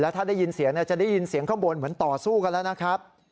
ถ้าได้ยินเสียงจะได้ยินเสียงข้างบนเหมือนต่อสู้กันแล้วนะครับ